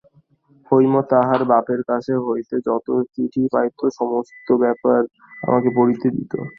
হৈম তাহার বাপের কাছ হইতে যত চিঠি পাইত সমস্ত আমাকে পড়িতে দিত।